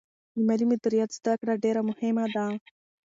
د مالي مدیریت زده کړه ډېره مهمه ده.